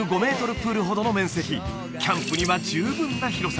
プールほどの面積キャンプには十分な広さ